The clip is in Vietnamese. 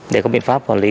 để có biện pháp quản lý